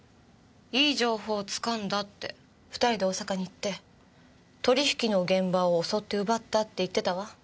いい情報をつかんだって２人で大阪に行って取引の現場を襲って奪ったって言ってたわ。